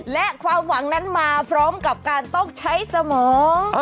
และความหวังนั้นมาพร้อมกับการต้องใช้สมอง